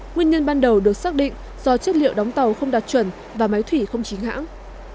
nguyên nhân ban đầu được xác định do chất liệu đóng tàu không đạt chuẩn và máy thủy không chính hãng